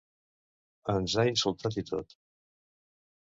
Ens ha insultat i tot!